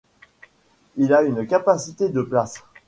Il a une capacité de places.